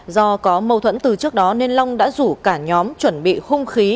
do có mâu thuẫn từ trước đó nên long đã rủ cả nhóm chuẩn bị hung khí